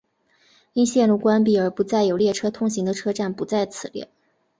因线路关闭而不再有列车通行的车站不在此列。